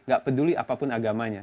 gak peduli apapun agamanya